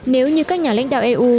nếu như các nhà lãnh đạo eu